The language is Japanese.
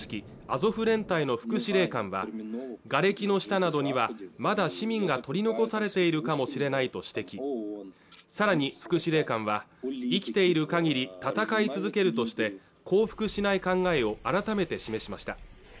アゾフ連隊の副司令官はがれきの下などにはまだ市民が取り残されているかもしれないと指摘さらに副司令官は生きている限り戦い続けるとして降伏しない考えを改めて示しました